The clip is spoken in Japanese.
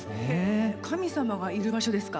神様がいる場所ですか。